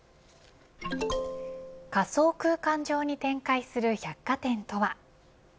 仮想空間上に展開する百貨店とは。